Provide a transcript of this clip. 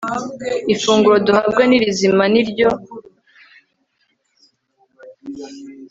ifunguro duhabwa ni rizima ni ryo